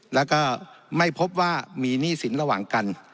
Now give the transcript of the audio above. แล้วก็ไม่พบว่ามีหนี้สินระหว่างกัน